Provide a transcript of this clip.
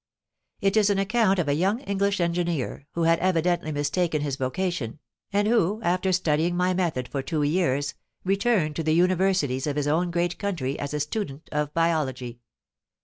It is an account of a young English engineer, who had evidently mistaken his vocation, and who, after studying my method for two years, returned to the universities of his own great country as a student of biology.